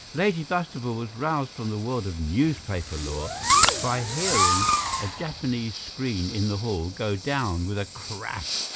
Lady Bastable was roused from the world of newspaper lore by hearing a Japanese screen in the hall go down with a crash.